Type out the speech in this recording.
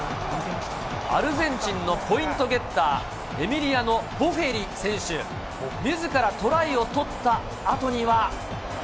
アルゼンチンのポイントゲッター、エミリアノ・ボフェリ選手、みずからトライを取ったあとには。